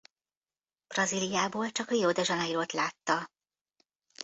Brazíliából csak Rio de Janeirot látta.